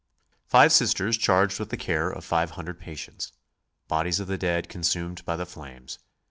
Five Sisters charged with the care of five hundred patients. Bodies of the dead consumed by the flames.